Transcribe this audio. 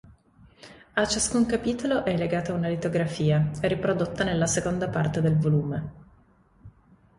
A ciascun capitolo è legata una litografia riprodotta nella seconda parte del volume.